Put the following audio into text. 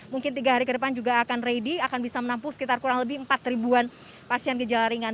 mungkin tiga hari ke depan juga akan ready akan bisa menampung sekitar kurang lebih empat ribuan pasien gejala ringan